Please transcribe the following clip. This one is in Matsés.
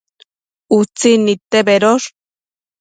Utsin nidte bedosh